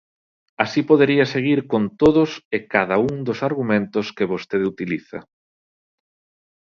Así podería seguir con todos e cada un dos argumentos que vostede utiliza.